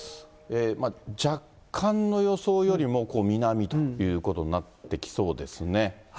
若干の予想よりも、南ということになってきそうですね。